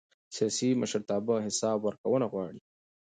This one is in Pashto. سیاسي مشرتابه حساب ورکونه غواړي